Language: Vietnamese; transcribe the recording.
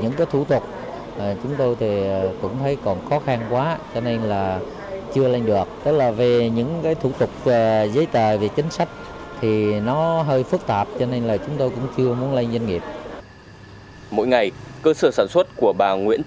mỗi ngày cơ sở sản xuất của bà nguyễn thị nguyên